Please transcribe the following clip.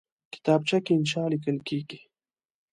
کتابچه کې انشاء لیکل کېږي